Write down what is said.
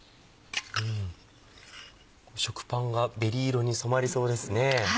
食パンがベリー色に染まりそうですね。